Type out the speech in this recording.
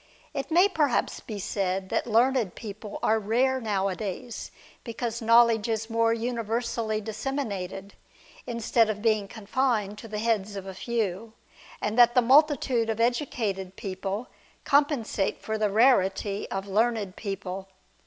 It may perhaps be said that learned people are rare nowadays because knowledge is more universally disseminated, instead of being confined to the heads of a few ; and that the multitude of edu cated people compensate for the rarity of learned people.